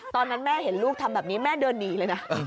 ตอนนั้นแม่เห็นลูกทำแบบนี้แม่เดินหนีเลยนะ